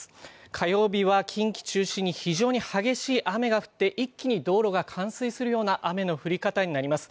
火曜日は近畿中心に非常に激しい雨が降って、一気に道路が冠水するような雨の降り方になります。